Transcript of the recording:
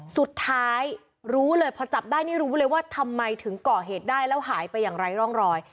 สุดท้ายรู้เลยพอจับได้นี่รู้เลยว่าทำไมถึงก่อเหตุได้แล้วหายไปอย่างไร้ร่องรอย